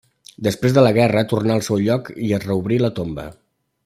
Després de la guerra, tornà al seu lloc i es reobrí la tomba.